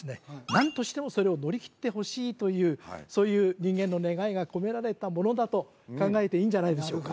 何としてもそれを乗りきってほしいというそういう人間の願いが込められたものだと考えていいんじゃないでしょうか・